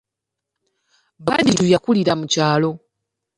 Badru yakulira mu kyalo.